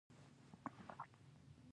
بلکې د تاریخ او عقیدې سمبول دی.